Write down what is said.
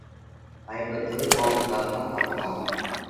هائي ٻڌوئي ڪوم ڪرتون ڪرتون